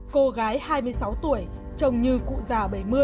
cô gái hai mươi sáu tuổi chồng như cụ già bảy mươi